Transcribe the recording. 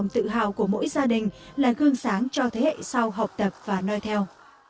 đồng thời khơi dậy lòng tự hào của mỗi gia đình là gương sáng cho thế hệ sau học tập và nơi theo